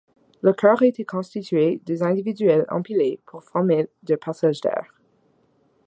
Le cœur était constitué de individuels empilés pour former de passage d'air.